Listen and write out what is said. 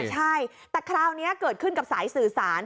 ใช่แต่คราวนี้เกิดขึ้นกับสายสื่อสาร